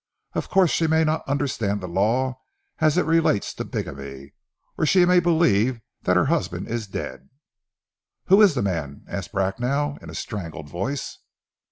Of course she may not understand the law as it relates to bigamy, or she may believe that her husband is dead " "Who is the man?" asked Bracknell, in a strangled voice.